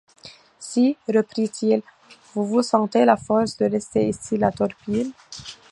Si, reprit-il, vous vous sentez la force de laisser ici la Torpille.